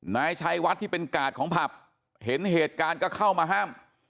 นายชัยวัดที่เป็นกาดของผับเห็นเหตุการณ์ก็เข้ามาห้าม